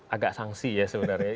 agak sangsi ya sebenarnya